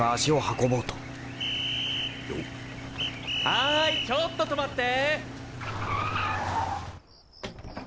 はーいちょっと止まって。